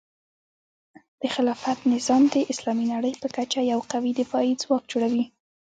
د خلافت نظام د اسلامي نړۍ په کچه یو قوي دفاعي ځواک جوړوي.